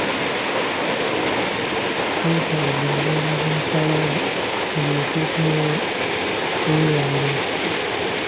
Sooka ogende obuuze mukyala wo olyoke okomewo weeyalire.